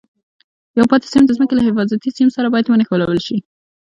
یو پاتې سیم د ځمکې له حفاظتي سیم سره باید ونښلول شي.